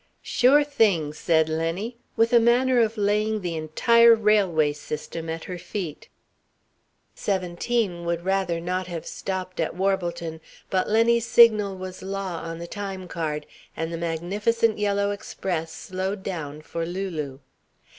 "Sure thing," said Lenny, with a manner of laying the entire railway system at her feet. "Seventeen" would rather not have stopped at Warbleton, but Lenny's signal was law on the time card, and the magnificent yellow express slowed down for Lulu.